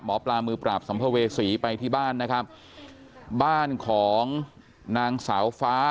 หมอปลามือปราบสัมภเวษีไปที่บ้านนะครับบ้านของนางสาวฟ้า